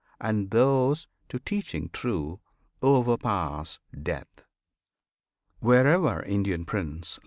and those to teaching true Overpass Death! Wherever, Indian Prince!